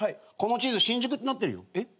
この地図新宿ってなってるよ。